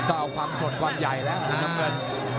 ก็เอาความสดกว่าใหญ่นะครับคุณน้ำเงิน